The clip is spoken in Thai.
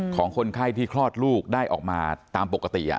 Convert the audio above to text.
ของคนไข้ที่คลอดลูกได้ออกมาตามปกติ